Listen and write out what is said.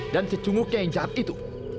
dan secungguh keinginan yang jahat itu